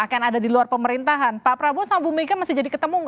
akan ada di luar pemerintahan pak prabowo sama bu mega masih jadi ketemu